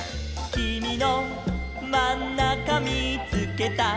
「きみのまんなかみーつけた」